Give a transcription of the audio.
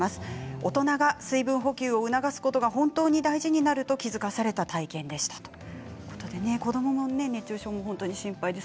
大人が水分補給を促すことが本当に大事になると気付かされた体験でしたということです。